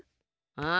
ああ？